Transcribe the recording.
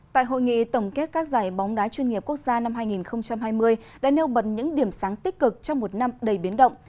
tại hội nghị tổng kết các giải bóng đá chuyên nghiệp quốc gia năm hai nghìn hai mươi đã nêu bật những điểm sáng tích cực trong một năm đầy biến động